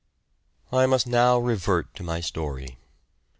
I must now revert to my story.